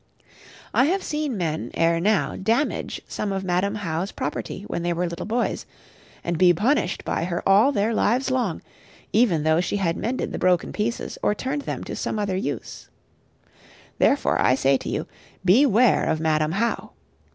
I have seen men ere now damage some of Madam How's property when they were little boys, and be punished by her all their lives long, even though she had mended the broken pieces, or turned them to some other use. Therefore I say to you, beware of Madam How.